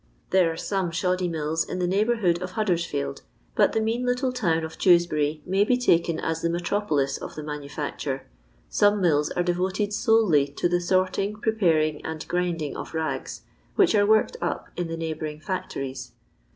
" There are some shoddy mills in the neighbour hood of Huddersfield, but the mean little town of Dewsbury may be taken as the metropolis of the manufacture. Some mills are devoted solely to the sorting, preparing, and grinding of rags, which are worked up in the neighbouring factories.